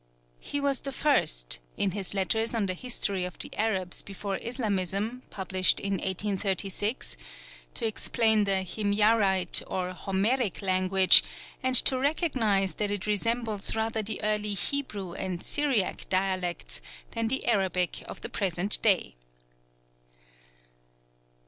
He was the first, in his letters on the history of the Arabs before Islamism, published in 1836, to explain the Himyarite or Homeric language and to recognize that it resembles rather the early Hebrew and Syriac dialects, than the Arabic of the present day.